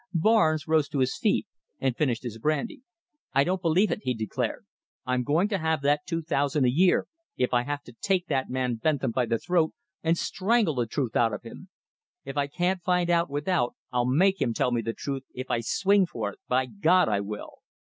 Barnes rose to his feet and finished his brandy. "I don't believe it," he declared. "I'm going to have that two thousand a year, if I have to take that man Bentham by the throat and strangle the truth out of him. If I can't find out without, I'll make him tell me the truth if I swing for it. By God, I will!"